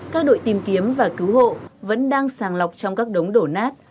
các đội tìm kiếm và cứu hộ vẫn đang sàng lọc trong các đống đổ nát